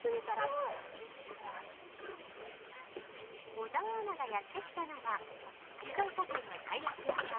小沢アナがやってきたのは静岡県のたい焼き屋さん